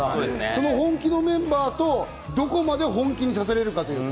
その本気のメンバーをどこまで本気にさせられるか。